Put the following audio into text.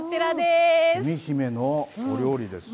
きみひめのお料理ですね。